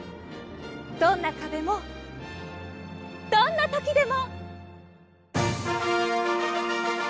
どんなかべもどんなときでも。